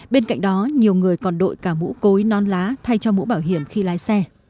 bên cạnh đó nhiều người còn đội cả mũ cối non lá thay cho mũ bảo hiểm khi lái xe